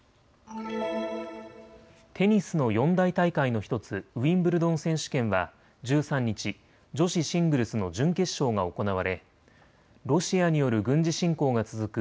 テニスの四大大会の１つ、ウィンブルドン選手権は１３日、女子シングルスの準決勝が行われロシアによる軍事侵攻が続く